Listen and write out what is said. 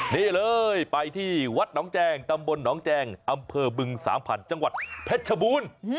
นี่เลยไปที่วัดหนองแจงตำบลหนองแจงอำเภอบึงสามพันธุ์จังหวัดเพชรชบูรณ์